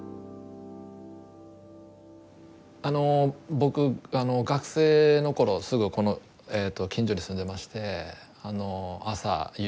僕学生の頃すぐこの近所に住んでまして朝夕